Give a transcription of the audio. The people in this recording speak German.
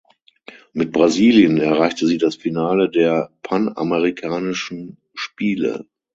Mit Brasilien erreichte sie das Finale der Panamerikanischen Spiele.